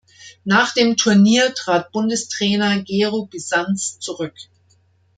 Nach dem Turnier trat Bundestrainer Gero Bisanz zurück.